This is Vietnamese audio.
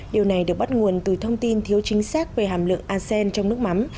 điều này được bắt nguồn từ thông tin thiếu chính xác về hàm lượng asean trong nước mắm